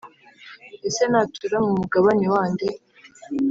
ese natura mu mugabane wa nde?